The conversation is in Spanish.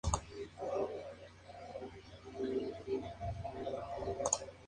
Entonces, su prometido era príncipe de Nápoles.